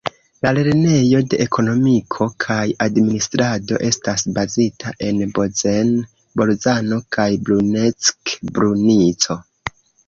La Lernejo de Ekonomiko kaj administrado estas bazita en Bozen-Bolzano kaj Bruneck-Brunico.